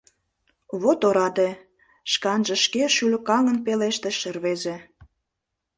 — Вот ораде! — шканже шке шӱлыкаҥын пелештыш рвезе.